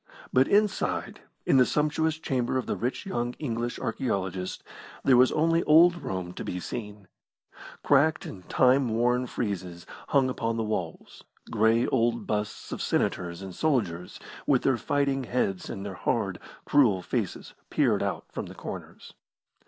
But inside, in the sumptuous chamber of the rich young English archaeologist, there was only old Rome to be seen. Cracked and time worn friezes hung upon the walls, grey old busts of senators and soldiers with their fighting heads and their hard, cruel faces peered out from the corners.